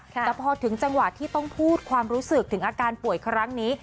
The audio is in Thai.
แต่พอถึงจังหวะที่ต้องพูดความรู้สึกถึงอาการป่วยครั้งนี้